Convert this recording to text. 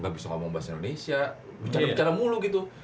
gak bisa ngomong bahasa indonesia bicara bicara mulu gitu